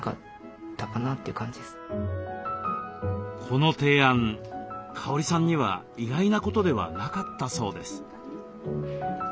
この提案香里さんには意外なことではなかったそうです。